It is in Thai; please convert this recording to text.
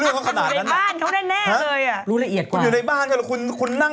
แล้วถ้าคุณไม่รู้เรื่องของเขาขนาดนั้น